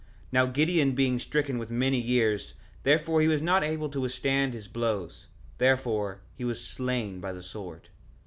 Now Gideon being stricken with many years, therefore he was not able to withstand his blows, therefore he was slain by the sword.